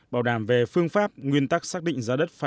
bảo đảm về phương pháp nguyên tắc xác định giá đất phải